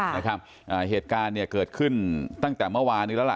นะครับอ่าเหตุการณ์เนี่ยเกิดขึ้นตั้งแต่เมื่อวานนี้แล้วล่ะ